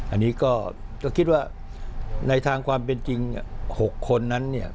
อันนี้ก็คิดว่าในทางความเป็นจริง๖คนนั้นเนี่ย